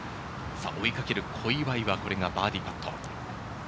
追いかける小祝はこれがバーディーパット。